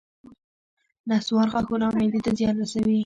نصوار غاښونو او معدې ته زیان رسوي